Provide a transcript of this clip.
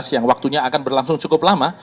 yang waktunya akan berlangsung cukup lama